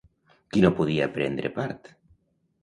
Qui no podia prendre part?